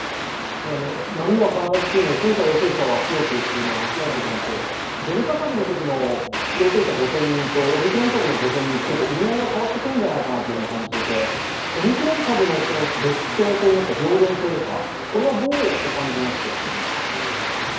波は必ず来るので検査陽性者が増えていくのは間違いないと思うんですけれども、デルタ株のときの陽性者５０００人のときとオミクロン株の５０００人、意味合いが変わってくるんじゃないかと感じていてオミクロン株の毒性といいますか、病原性ですか、これはどうお感じになっていらっしゃいますか？